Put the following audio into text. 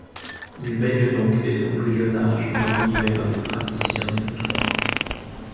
Il baigne donc dès son plus jeune âge dans l'univers des praticiens du droit.